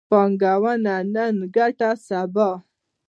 پانګونه نن، ګټه سبا